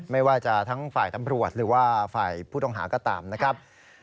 ไม่ว่าจะทั้งฝ่ายตำรวจหรือว่าฝ่ายผู้ต้องหาก็ตามนะครับ